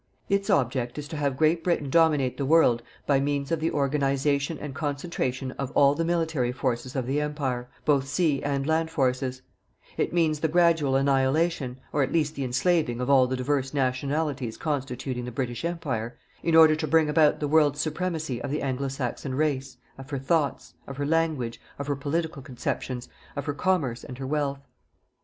Its object is to have Great Britain dominate the world by means of the organization and concentration of all the Military Forces of the Empire both Sea and Land Forces ; it means the gradual annihilation, or at least the enslaving of all the divers nationalities constituting the British Empire, in order to bring about the World's supremacy of the Anglo Saxon race, of her thoughts, of her language, of her political conceptions, of her commerce and her wealth.